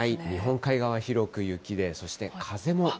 日本海側、広く雪で、そして風も。